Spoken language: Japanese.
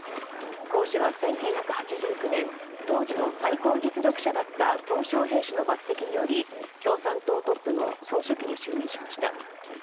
江氏は１９８９年当時の最高実力者だったトウ・ショウヘイ氏の抜擢により共産党トップの総書記に就任しました。